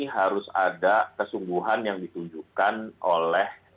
harus ada kesungguhan yang ditunjukkan oleh